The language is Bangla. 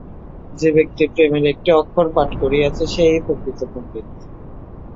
যে ব্যক্তি প্রেমের একটি অক্ষর পাঠ করিয়াছে, সে-ই প্রকৃত পণ্ডিত।